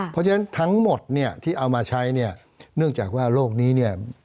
เพราะฉะนั้นทั้งหมดที่เอามาใช้เนื่องจากว่าโรคนี้